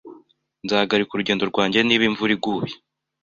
Nzahagarika urugendo rwanjye niba imvura iguye.